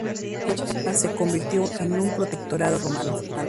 Judea se convirtió en un protectorado romano.